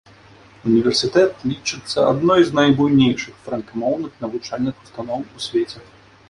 Універсітэт лічыцца адной з найбуйнейшых франкамоўных навучальных устаноў у свеце.